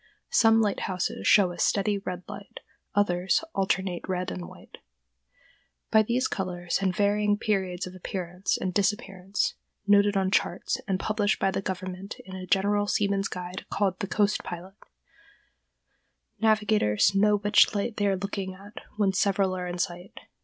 Some lighthouses show a steady red light; others, alternate red and white. By these colors and varying periods of appearance and disappearance (noted on charts, and published by the government in a general seaman's guide called the "Coast Pilot"), navigators know which light they are looking at when several are in sight.